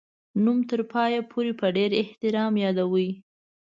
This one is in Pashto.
نوم تر پایه پوري په ډېر احترام یادوي.